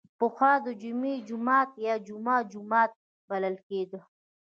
پخوا د جمعې جومات یا جمعه جومات بلل کیده.